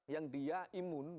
yang dia imun